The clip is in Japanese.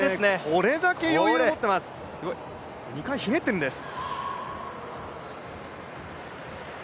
これだけ余裕を持っています、２回ひねっているんです。